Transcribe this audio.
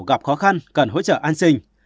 gặp khó khăn cần hỗ trợ an sinh